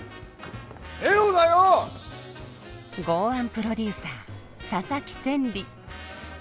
豪腕プロデューサー佐々木千里。